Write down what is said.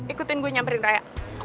ikutin gue nyamperin raya